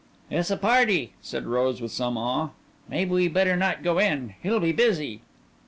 "It's a party," said Rose with some awe. "Maybe we better not go in. He'll be busy."